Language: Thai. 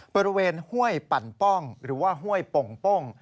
ห้วยปั่นป้องหรือว่าห้วยโป่งป้ง